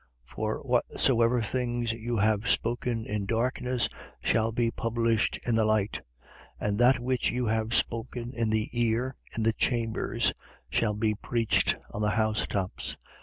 12:3. For whatsoever things you have spoken in darkness shall be published in the light: and that which you have spoken in the ear in the chambers shall be preached on the housetops.